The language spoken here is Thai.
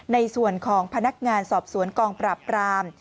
ในส่วนของพนักงานสอบสวนกองปราบราม